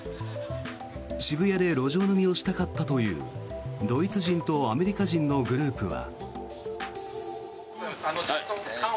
渋谷で路上飲みをしたかったというドイツ人とアメリカ人のグループは。